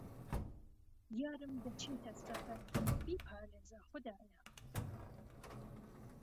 یارم دهچێته سهفهربیپارێزه خودایه